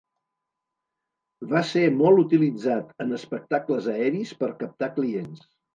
Va ser molt utilitzat en espectacles aeris per captar clients.